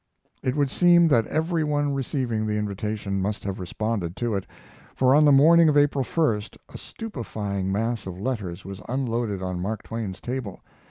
It would seem that every one receiving the invitation must have responded to it, for on the morning of April 1st a stupefying mass of letters was unloaded on Mark Twain's table.